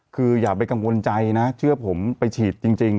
คืออย่าไปกังวลใจนะเชื่อผมไปฉีดจริง